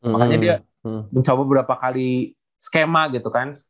makanya dia mencoba beberapa kali skema gitu kan